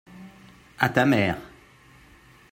à ta mère.